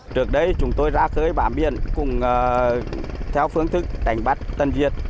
trước đây chúng tôi ra khơi bám biển cùng theo phương thức đánh bắt tân diệt